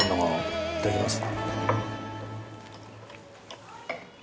いただきます。